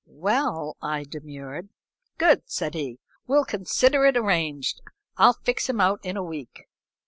"Well " I demurred. "Good," said he. "We'll consider it arranged. I'll fix him out in a week."